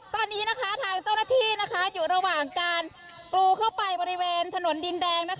ตอนนี้ทางเจ้าหน้าที่อยู่ระหว่างการกรูเข้าไปบริเวณถนนดินแดง